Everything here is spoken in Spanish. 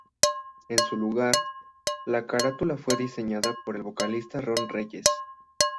En su lugar, la carátula fue diseñada por el vocalista Ron Reyes.